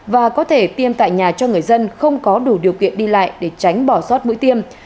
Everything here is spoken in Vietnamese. và có thể tiêm tại nhà cho người dân không có đủ điều kiện đi lại để tránh bỏ sót mũi tiêm